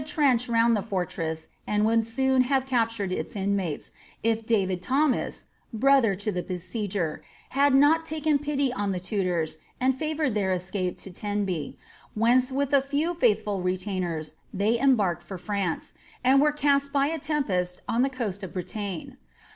trench round the fortress, and would soon have captured its inmates, if David Thomas (brother to the besieger) had not taken pity on the Tudors and favoured their escape to Tenby/ whence with a few faithful retainers they embarked for France, and were cast by a tempest on the coast of Bretagne.